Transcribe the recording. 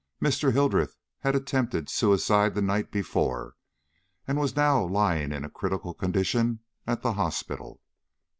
Mr. Hildreth had attempted suicide the night before, and was now lying in a critical condition at the hospital.